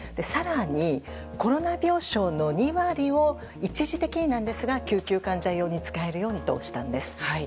更にコロナ病床の２割を一時的にですが救急患者用に使えるようにしたんです。